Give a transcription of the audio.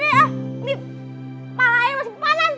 nih palanya masih panas sih